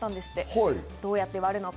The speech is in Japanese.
どうやって割るのか。